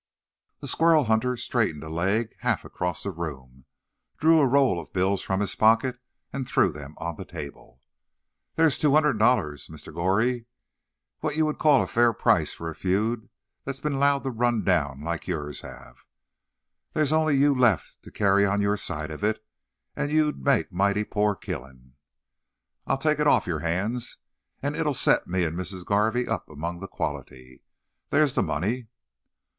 '" The squirrel hunter straightened a leg half across the room, drew a roll of bills from his pocket, and threw them on the table. "Thar's two hundred dollars, Mr. Goree; what you would call a fa'r price for a feud that's been 'lowed to run down like yourn hev. Thar's only you left to cyar' on yo' side of it, and you'd make mighty po' killin'. I'll take it off yo' hands, and it'll set me and Missis Garvey up among the quality. Thar's the money."